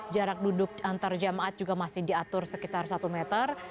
jarak duduk antar jemaat juga masih diatur sekitar satu meter